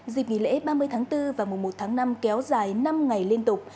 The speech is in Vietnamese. dịp nghỉ lễ ba mươi tháng bốn và mùa một tháng năm kéo dài năm ngày liên tục